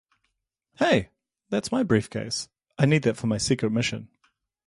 Hey, that's my briefcase, I need that for my secret mission.